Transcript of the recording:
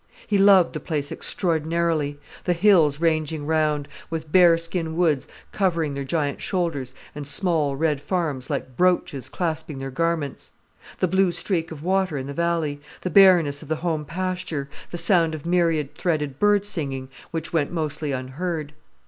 He loved the place extraordinarily, the hills ranging round, with bear skin woods covering their giant shoulders, and small red farms like brooches clasping their garments; the blue streak of water in the valley, the bareness of the home pasture, the sound of myriad threaded bird singing, which went mostly unheard.